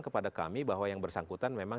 kepada kami bahwa yang bersangkutan memang